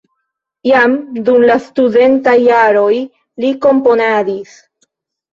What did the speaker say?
Jam dum la studentaj jaroj li komponadis.